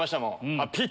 あっ！